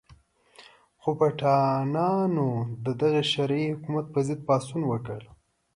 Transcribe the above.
خو پټانانو د دغه شرعي حکومت په ضد پاڅون وکړ.